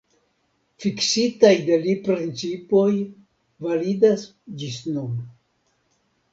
Fiksitaj de li principoj validas ĝis nun.